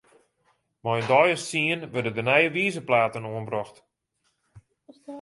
Mei in deis as tsien wurde de nije wizerplaten oanbrocht.